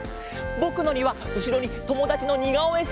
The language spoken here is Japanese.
ぼくのにはうしろにともだちのにがおえ